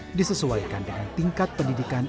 yang disesuaikan dengan tingkat pendidikan